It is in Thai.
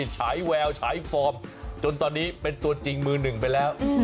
ฉายแววฉายฟอร์มจนตอนนี้เป็นตัวจริงมือหนึ่งไปแล้ว